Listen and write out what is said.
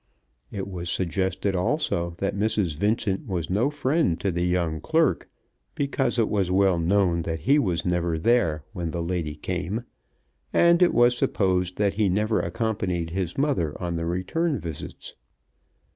It was suggested also that Mrs. Vincent was no friend to the young clerk, because it was well known that he was never there when the lady came, and it was supposed that he never accompanied his mother on the return visits.